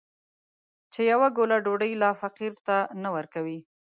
چې يوه ګوله ډوډۍ لا فقير ته نه ورکوي.